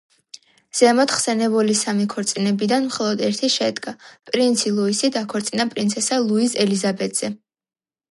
ზემოთ ხსენებული სამი ქორწინებიდან მხოლოდ ერთი შედგა: პრინცი ლუისი დაქორწინდა პრინცესა ლუიზ ელიზაბეტზე.